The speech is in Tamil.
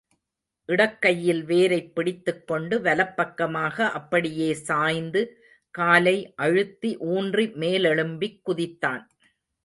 இடக்கையில் வேரைப் பிடித்துக்கொண்டு, வலப்பக்கமாக அப்படியே சாய்ந்து, காலை அழுத்தி ஊன்றி மேலெழும்பிக் குதித்தான்.